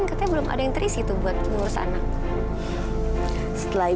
kok belum ganti baju sih